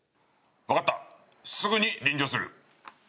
わかった、すぐに臨場する。